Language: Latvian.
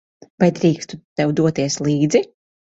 Vai drīkstu tev doties līdzi?